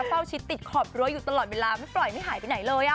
เฝ้าชิดติดขอบรั้วอยู่ตลอดเวลาไม่ปล่อยไม่หายไปไหนเลย